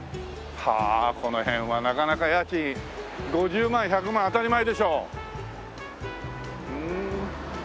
この辺はなかなか家賃５０万１００万当たり前でしょ？